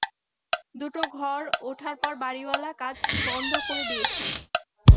দুটো ঘর ওঠার পর বাড়িওয়ালা কাজ বন্ধ করে দিয়েছেন।